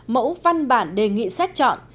mẫu văn bản đề nghị xét chọn